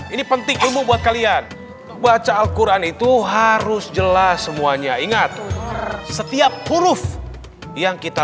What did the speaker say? ini penting ilmu buat kalian baca al quran itu harus jelas semuanya ingat setiap huruf yang kita